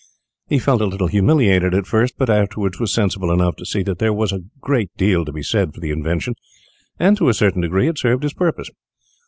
He felt a little humiliated at first, but afterwards was sensible enough to see that there was a great deal to be said for the invention, and, to a certain degree, it served his purpose.